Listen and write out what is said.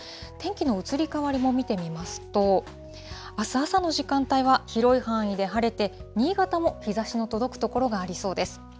天気の移り変わりも見てみますと、あす朝の時間帯は広い範囲で晴れて、新潟も日ざしの届く所がありそうです。